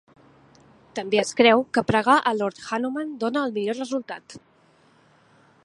També es creu que pregar a Lord Hanuman dona el millor resultat.